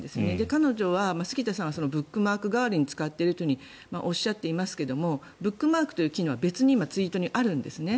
彼女は杉田さんはブックマーク代わりに使っているとおっしゃっていますけれどブックマークという機能は別に今ツイッターにあるんですね。